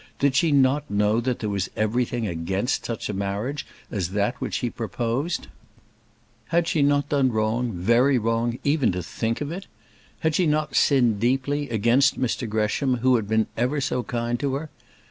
Did she not know that there was everything against such a marriage as that which he proposed? Had she not done wrong, very wrong, even to think of it? Had she not sinned deeply, against Mr Gresham, who had ever been so kind to her?